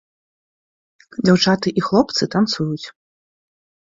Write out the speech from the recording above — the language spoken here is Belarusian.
Дзяўчаты і хлопцы танцуюць.